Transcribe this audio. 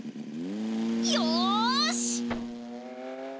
よし！